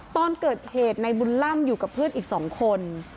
ตอนเกิดเหตุในบุญล่ำอยู่กับเพื่อนอีก๒คน